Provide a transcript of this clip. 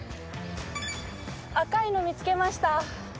赤いの見つけました。